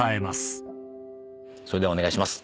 それではお願いします。